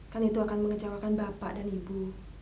kan itu akan mengecewakan bapak dan ibu